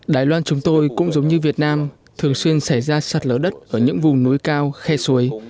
đài loan chúng tôi cũng giống như việt nam thường xuyên xảy ra sạt lở đất ở những vùng núi cao khe suối